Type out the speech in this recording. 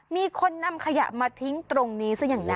มีคนนำขยะมาทิ้งตรงนี้ซะอย่างนั้น